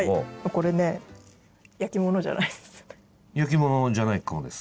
これね焼き物じゃないかもです。